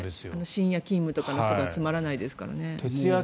深夜勤務の人が集まらないですからね。